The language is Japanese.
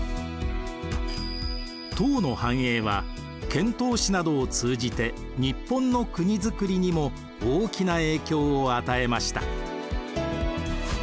唐の繁栄は遣唐使などを通じて日本の国づくりにも大きな影響を与えました。